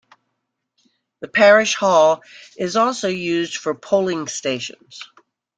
The parish hall is also used for polling stations.